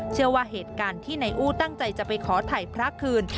เชื่อว่าเหตุการณ์ที่นายอู้ตั้งใจจะไปขอถ่ายพระคืน